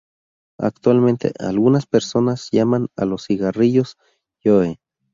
Actualmente, algunas personas llaman a los cigarrillos "Joe".